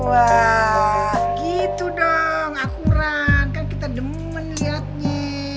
wah gitu dong akuran kan kita demen liatnya